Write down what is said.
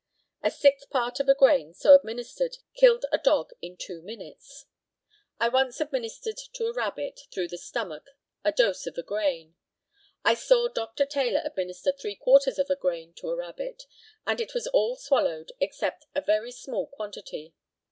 A sixth part of a grain so administered killed a dog in two minutes. I once administered to a rabbit, through the stomach, a dose of a grain. I saw Dr. Taylor administer three quarters of a grain to a rabbit, and it was all swallowed, except a very small quantity.